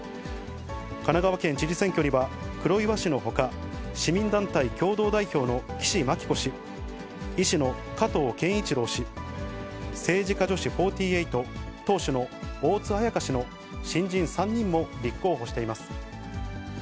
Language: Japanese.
神奈川県知事選挙には、黒岩氏のほか、市民団体共同代表の岸牧子氏、医師の加藤健一郎氏、政治家女子４８党党首の大津綾香氏の新人３人も立候補しています。